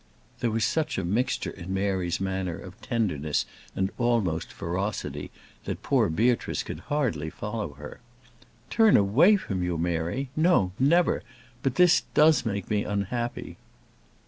There was such a mixture in Mary's manner of tenderness and almost ferocity, that poor Beatrice could hardly follow her. "Turn away from you, Mary! no never; but this does make me unhappy."